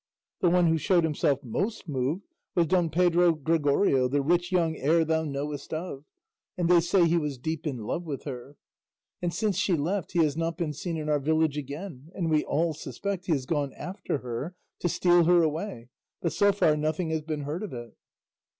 The one who showed himself most moved was Don Pedro Gregorio, the rich young heir thou knowest of, and they say he was deep in love with her; and since she left he has not been seen in our village again, and we all suspect he has gone after her to steal her away, but so far nothing has been heard of it."